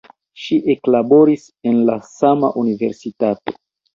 Ŝi eklaboris en la sama universitato.